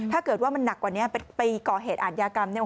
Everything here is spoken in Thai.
ถ้าเกิดว่ามันหนักกว่านี้ไปก่อเหตุอาทยากรรมเนี่ย